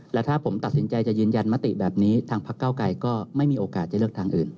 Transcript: และถ้าผมตัดสินใจจะยืนยันมติแบบนี้ทางพักเก้าไกรก็ไม่มีโอกาสจะเลือกทางอื่น